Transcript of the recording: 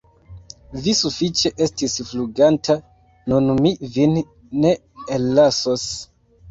Vi sufiĉe estis fluganta, nun mi vin ne ellasos!